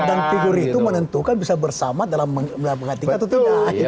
dan figur itu menentukan bisa bersama dalam mengatakan atau tidak